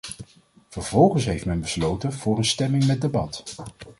Vervolgens heeft men besloten voor een stemming met debat.